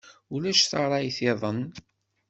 Ulac tarrayt-iḍen?